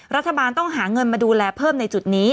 รัฐบาลต้องหาเงินมาดูแลเพิ่มในจุดนี้